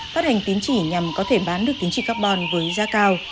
phát hành tính trị nhằm có thể bán được tính trị carbon với giá cao